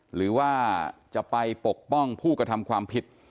หรือว่าจะไปปกป้องผู้กระทำความผิด